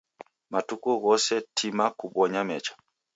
Matuku ghose tima kubonye mecha.